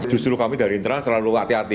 justru kami dari internal terlalu hati hati